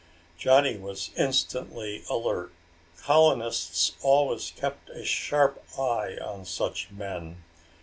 Johnny was instantly alert. Colonists always kept a sharp eye on such men.